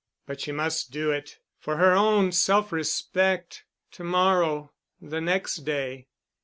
But she must do it—for her own self respect—to morrow—the next day....